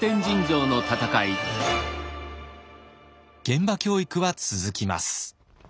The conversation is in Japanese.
現場教育は続きます。